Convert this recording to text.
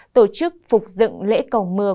tổ chức phục dựng lễ cầu mưa